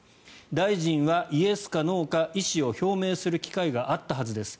大臣はイエスかノーか意思を表明する機会があったはずです。